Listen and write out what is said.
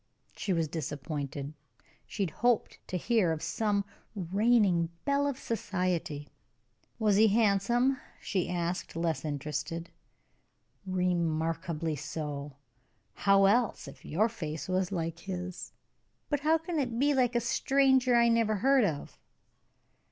She was disappointed. She had hoped to hear of some reigning belle of society. "Was he handsome?" she asked, less interested. "Remarkably so. How else, if your face was like his?" "But how can it be like a stranger I never heard of?"